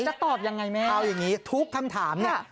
จะตอบอย่างไรแม่เอาอย่างนี้ทุกคำถามนี่